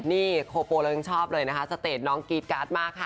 นี่โคโปเรายังชอบเลยนะคะสเตจน้องกรี๊ดการ์ดมากค่ะ